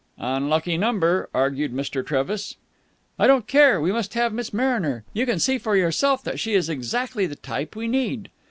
"Unlucky number," argued Mr. Trevis. "I don't care. We must have Miss Mariner. You can see for yourself that she is exactly the type we need."